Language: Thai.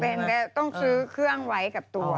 ก็ต้องซื้อเครื่องไว้กับตัว